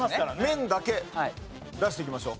麺だけ出していきましょう。